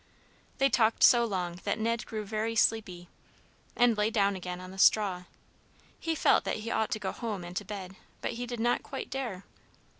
They talked so long that Ned grew very sleepy, and lay down again on the straw. He felt that he ought to go home and to bed, but he did not quite dare.